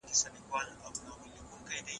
د افغانستان تاريخ له پېچلو پېښو ډک دی.